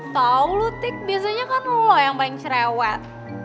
tau lo tik biasanya kan lo yang paling cerewet